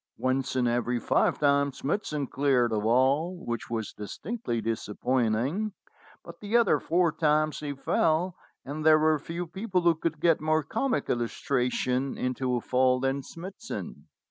Once in every five times Smithson cleared the wall, which was distinctly disappointing, but the other four times he fell, and there were few people who could get more comic illustration into a fall than Smithson.